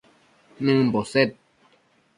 nëmbo sed